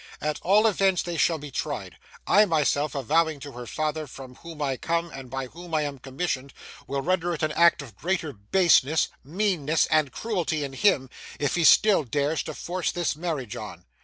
At all events they shall be tried. I myself, avowing to her father from whom I come and by whom I am commissioned, will render it an act of greater baseness, meanness, and cruelty in him if he still dares to force this marriage on.